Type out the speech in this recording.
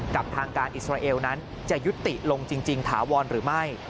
กับทางการอิสราเอลนั้นจะยุติลงจริงถาวรหรือไม่